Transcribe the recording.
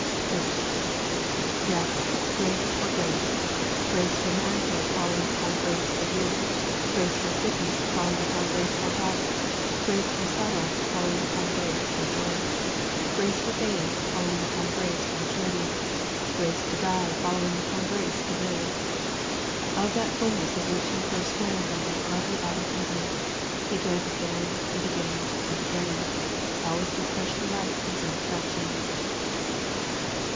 _' VI Yes, grace for grace! Grace for manhood following upon grace for youth! Grace for sickness following upon grace for health! Grace for sorrow following upon grace for joy! Grace for age following upon grace for maturity! Grace to die following upon grace to live! Of that fullness of which he first drank on that lovely autumn evening, he drank again and again and again, always with fresh delight and satisfaction.